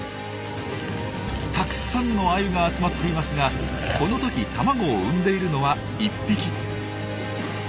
たくさんのアユが集まっていますがこの時卵を産んでいるのは１匹。